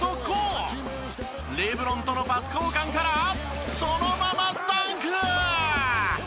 レブロンとのパス交換からそのままダンク！